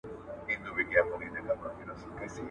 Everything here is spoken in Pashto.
• بابا دي خداى وبخښي، مگر شنې مي ملا راماته کړه.